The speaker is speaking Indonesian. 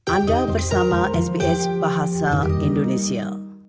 anda bersama sbs bahasa indonesia